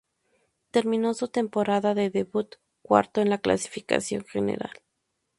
Terminó su temporada de debut cuarto en la clasificación general.